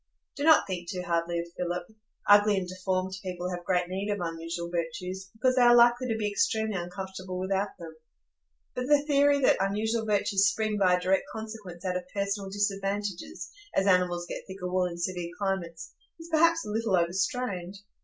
Do not think too hardly of Philip. Ugly and deformed people have great need of unusual virtues, because they are likely to be extremely uncomfortable without them; but the theory that unusual virtues spring by a direct consequence out of personal disadvantages, as animals get thicker wool in severe climates, is perhaps a little overstrained.